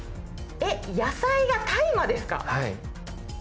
えっ「野菜」が「大麻」ですか！